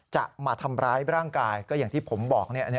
จะมาทำร้ายร่างกายก็อย่างที่ผมบอก